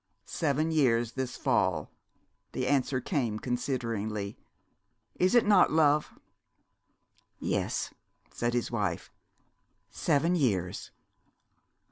"Seven years this fall," the answer came consideringly. "Is it not, love?" "Yes," said his wife, "seven years."